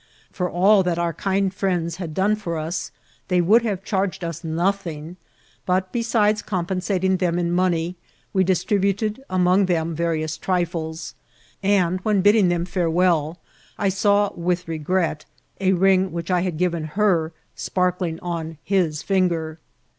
For all that our kind friends had done for us, they would have charged us nothing ; but, besides com pensating them in money, we distributed among them various trifles, and, when bidding them farewell, I saw widi regret a ring which I had given her i^wrkling on his finger.